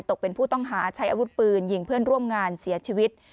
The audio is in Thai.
ตกเป็นผู้ต้องหาใช้อาวุธปืนยิงเพื่อนร่วมงานเสียชีวิต